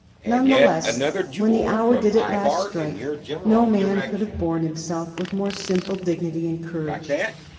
None the less, when the hour did at last strike, no man could have borne himself with more simple dignity and courage.